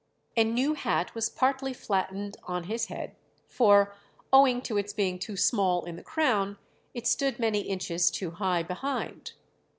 A new hat was partly flattened on his head, for, owing to its being too small in the crown, it stood many inches too high behind.